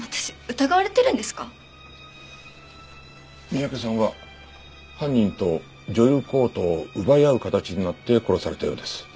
三宅さんは犯人と女優コートを奪い合う形になって殺されたようです。